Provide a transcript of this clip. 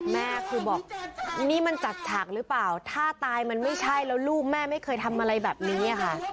แม่คือบอกนี่มันจัดฉากหรือเปล่าถ้าตายมันไม่ใช่แล้วลูกแม่ไม่เคยทำอะไรแบบนี้ค่ะ